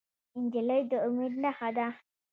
نجلۍ د امید نښه ده.